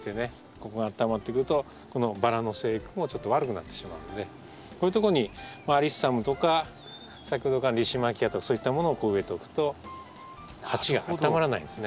ここがあったまってくるとこのバラの生育もちょっと悪くなってしまうのでこういうとこにアリッサムとか先ほどからのリシマキアとかそういったものを植えておくと鉢があったまらないんですね。